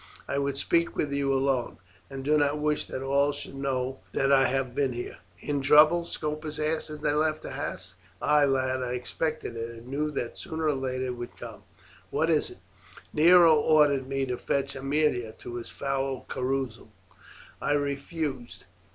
I would speak with you alone, and do not wish that all should know that I have been here." "In trouble?" Scopus asked as they left the house. "Ay, lad, I expected it, and knew that sooner or later it would come. What is it?" "Nero ordered me to fetch Aemilia to his foul carousal. I refused.